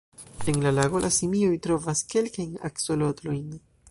En la lago, la simioj trovas kelkajn aksolotlojn.